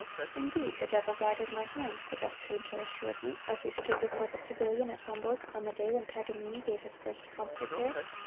"Indeed, the devil guided my hand," the deaf painter assured me, as we stood before the pavilion at Hamburg on the day when Paganini gave his first concert there.